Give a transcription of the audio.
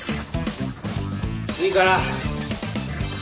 いいから。